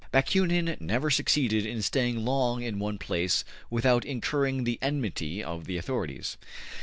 Bakunin never succeeded in staying long in one place without incurring the enmity of the authorities.